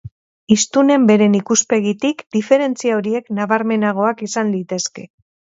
Hiztunen beren ikuspegitik diferentzia horiek nabarmenagoak izan litezke.